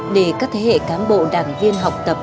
để các thế hệ cán bộ đảng viên học tập